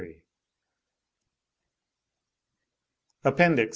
APPENDIX.